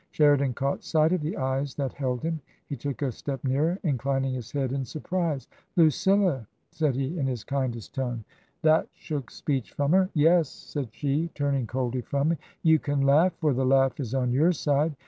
Sheridan caught sight of the cyts that held him. He took a step nearer, inclining his head in surprise. " Lucilla !" said he, in his kindest tone. That shook speech from her. " Yes," said she, turning coldly from him, " you can laugh, for the laugh is on your side.